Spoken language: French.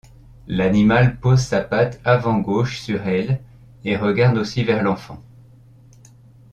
L'animal pose sa patte avant gauche sur elle et regarde aussi vers l'enfant.